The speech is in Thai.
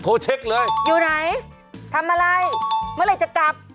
เช็คเลยอยู่ไหนทำอะไรเมื่อไหร่จะกลับ